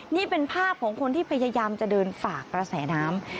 นี่เป็นภาพของคนที่พยายามจะเดินฝากกระแสน้ำ